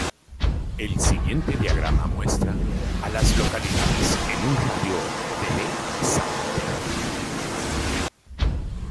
El siguiente diagrama muestra a las localidades en un radio de de Santee.